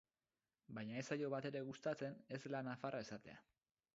Baina ez zaio batere gustatzen ez dela nafarra esatea.